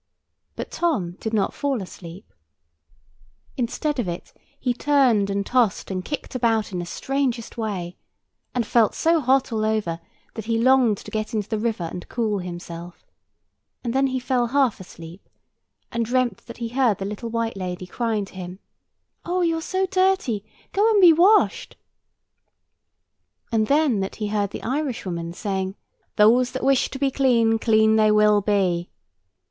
But Tom did not fall asleep. Instead of it he turned and tossed and kicked about in the strangest way, and felt so hot all over that he longed to get into the river and cool himself; and then he fell half asleep, and dreamt that he heard the little white lady crying to him, "Oh, you're so dirty; go and be washed;" and then that he heard the Irishwoman saying, "Those that wish to be clean, clean they will be."